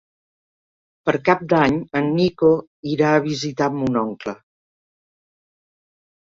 Per Cap d'Any en Nico irà a visitar mon oncle.